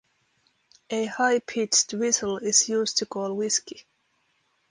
A high-pitched whistle is used to call Whiskey.